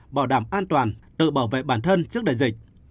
bảo đảm an toàn tự bảo vệ bản thân trước đại dịch